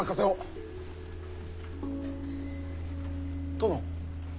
殿？